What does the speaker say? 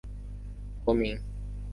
国名也改为匈牙利人民共和国。